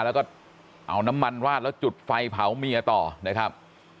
แล้วก็เอาน้ำมันราดแล้วจุดไฟเผาเมียต่อนะครับ